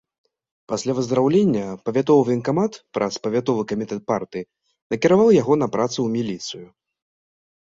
Пасля выздараўлення павятовы ваенкамат, праз павятовы камітэт партыі, накіраваў яго на працу ў міліцыю.